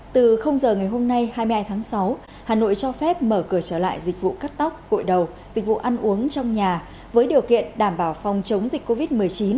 từ giờ ngày hôm nay hai mươi hai tháng sáu hà nội cho phép mở cửa trở lại dịch vụ cắt tóc gội đầu dịch vụ ăn uống trong nhà với điều kiện đảm bảo phòng chống dịch covid một mươi chín